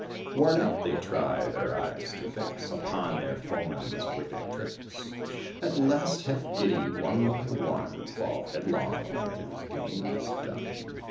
Worn out, they try their eyes to fix Upon their foeman's wicked tricks; At last, half giddy, one by one Fall headlong, and his game is done.